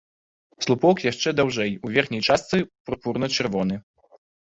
Слупок яшчэ даўжэй, у верхняй частцы пурпурна-чырвоны.